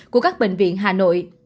của các bệnh viện hà nội